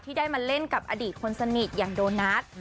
ได้มาเล่นกับอดีตคนสนิทอย่างโดนัท